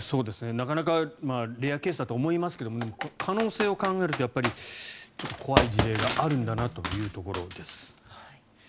なかなかレアケースだとは思いますけど可能性を考えるとちょっと怖い事例があるんだなというところです。